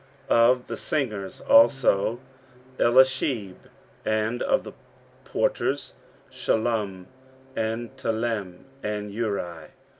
15:010:024 Of the singers also; Eliashib: and of the porters; Shallum, and Telem, and Uri.